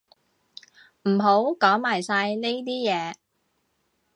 唔好講埋晒呢啲嘢